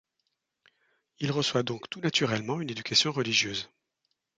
Il reçoit donc tout naturellement une éducation religieuse.